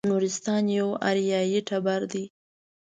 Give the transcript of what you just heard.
نورستانیان یو اریایي ټبر دی.